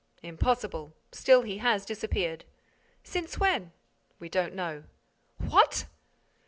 "Impossible. Still, he has disappeared." "Since when?" "We don't know." "What!"